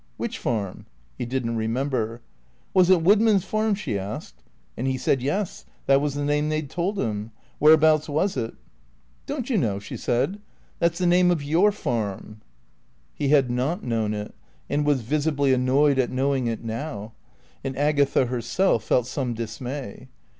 "Which farm?" He didn't remember. "Was it Woodman's Farm?" she asked. And he said, Yes, that was the name they'd told him. Whereabouts was it? "Don't you know?" she said. "That's the name of your Farm." He had not known it, and was visibly annoyed at knowing it now. And Agatha herself felt some dismay.